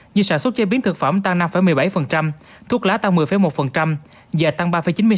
như sản xuất chế biến thực phẩm tăng năm một mươi bảy thuốc lá tăng một mươi một và tăng ba chín mươi sáu